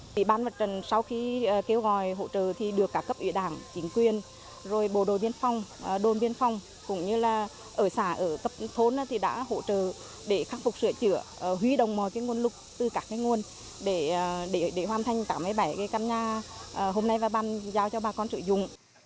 ủy ban mặt trận sau khi kêu gọi hỗ trợ thì được cả cấp ủy đảng chính quyền rồi bồ đồ biên phong đồn biên phong cũng như là ở xã ở tập thốn thì đã hỗ trợ để khắc phục sửa chữa huy đồng mọi cái nguồn lục từ các cái nguồn để hoàn thành cả mấy bảy cái căn nhà hôm nay và ban giao cho bà con sử dụng